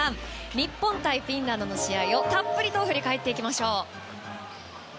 日本対フィンランドの試合をたっぷりと振り返りましょう。